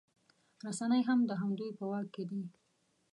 رسنۍ هم د همدوی په واک کې دي